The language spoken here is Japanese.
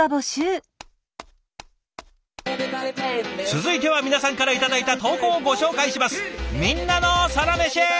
続いては皆さんから頂いた投稿をご紹介します。